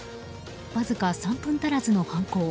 わずか３分足らずの犯行。